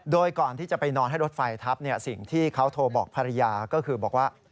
โดยก่อนที่จะไปนอนให้รถไฟทับสิ่งที่เขาโทรบอกภรรยาก็คือบอกว่า